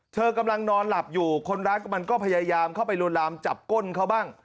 เธอกำลังนอนหลับอยู่คนร้ายมันก็พยายามเข้าไปลวนลามจับก้นเขาบ้าง